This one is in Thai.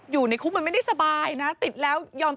อยู่ในคุกมันไม่ได้สบายนะ